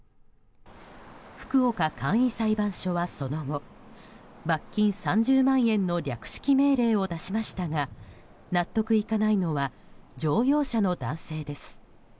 福岡簡易裁判所はその後罰金３０万円の略式命令を出しましたが納得いかないのは乗用車の男性です。